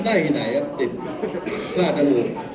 ได้ไอ้ไหนก็ติดล่าจมูก